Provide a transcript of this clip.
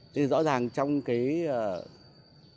thì rõ ràng trong xã hội thì phải bắt đầu dân chủ từ trong đảng